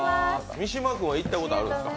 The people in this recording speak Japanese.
三島君は行ったことあるんですか？